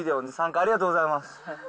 ありがとうございます。